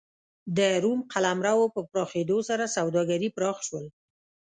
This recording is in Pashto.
د روم قلمرو په پراخېدو سره سوداګري پراخ شول.